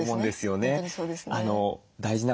本当にそうですね。